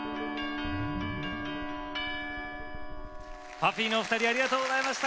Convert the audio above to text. ＰＵＦＦＹのお二人ありがとうございました。